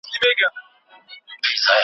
سیاستوال د خلګو استازیتوب کوي.